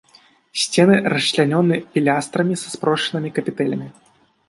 Сцены расчлянёны пілястрамі са спрошчанымі капітэлямі.